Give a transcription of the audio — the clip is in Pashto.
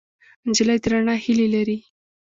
نجلۍ د رڼا هیلې لري.